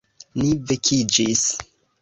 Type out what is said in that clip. Ni vekiĝis.